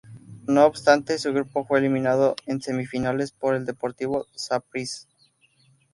No obstante, su grupo fue eliminado en semifinales por el Deportivo Saprissa.